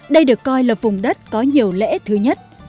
đây được coi là vùng đất có nhiều lễ thứ nhất